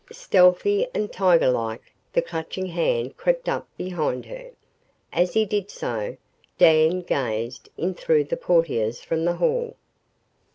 Stealthy and tiger like the Clutching Hand crept up behind her. As he did so, Dan gazed in through the portieres from the hall.